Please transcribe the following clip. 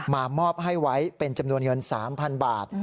มอบให้ไว้เป็นจำนวนเงิน๓๐๐๐บาท